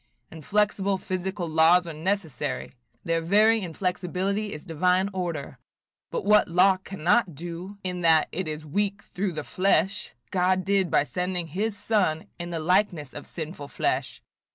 Inflexible physical laws are necessary; their very inflexibility is divine order; but 'what law cannot do, in that it is weak through the flesh, God did by sending his Son in the likeness of sinful flesh.'